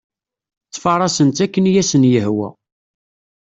Ttfarasen-tt akken i asen-yehwa.